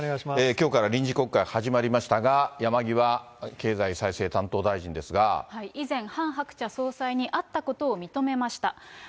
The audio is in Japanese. きょうから臨時国会始まりましたが、山際経済再生担当大臣で以前、ハン・ハクチャ総裁に会ったことを認めました。